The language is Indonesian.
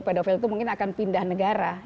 paedofil itu mungkin akan pindah negara